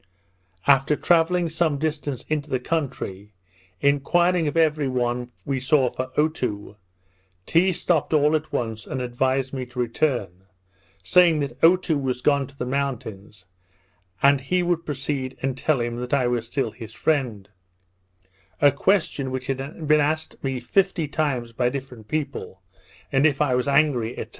After travelling some distance into the country, enquiring of every one we saw for Otoo, Tee stopped all at once and advised me to return, saying, that Otoo was gone to the mountains, and he would proceed and tell him that I was still his friend; a question which had been asked me fifty times by different people, and if I was angry, &c.